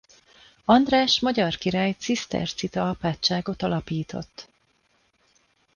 András magyar király cisztercita apátságot alapított.